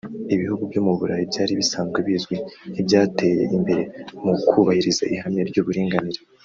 Ibihugu byo mu Burayi byari bisanzwe bizwi nk’ibyateye imbere mu kubahiriza ihame ry’uburinganire